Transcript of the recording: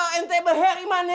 iman ya apa siapa yang jadi ini ya